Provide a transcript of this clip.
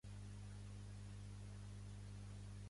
Pertany al moviment independentista la Meritxell?